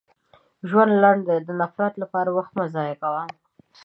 • ژوند لنډ دی، د نفرت لپاره وخت مه ضایع کوه.